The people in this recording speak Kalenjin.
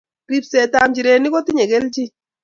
ripsetap njirenik kotinye keljin